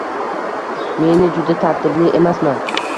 Meni juda tartibli emasman.